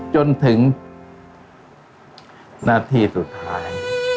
จนถึงนาทีสุดท้าย